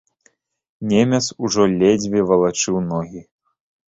Немец ужо ледзьве валачыў ногі.